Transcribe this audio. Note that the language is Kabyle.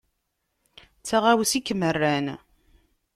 D taɣawsa i kem-rran.